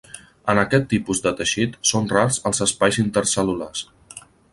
En aquest tipus de teixit són rars els espais intercel·lulars.